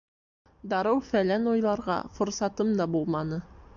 Дарыу-фәлән уйларға форсатым да булманы.